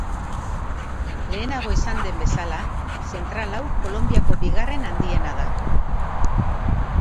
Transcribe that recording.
Lehenago esan den bezala, zentral hau Kolonbiako bigarren handiena da.